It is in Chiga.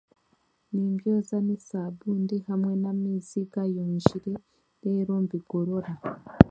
Nimbyoza n'esaabuuni hamwe n'amaizi gayonzire reero mbigorora